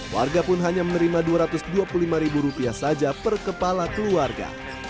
warga pun hanya menerima rp dua ratus dua puluh lima saja per kepala keluarga